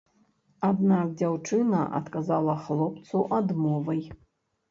Аднак дзяўчына адказала хлопцу адмовай.